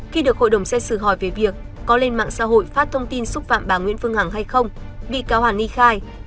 khi được hội đồng xét xử hỏi về việc có lên mạng xã hội phát thông tin xúc phạm bà nguyễn phương hằng hay không bị cáo hàn ni khai